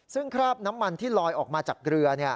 ซึ่งคราบน้ำมันที่ลอยออกมาจากเรือ